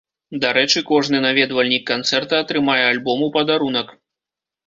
Дарэчы, кожны наведвальнік канцэрта атрымае альбом у падарунак.